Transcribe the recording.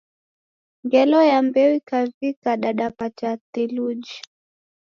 Ngelo ya mbeo ikavika, didapata theluji.